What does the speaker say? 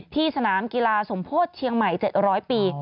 สนามกีฬาสมโพธิเชียงใหม่๗๐๐ปี